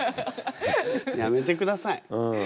やめてください。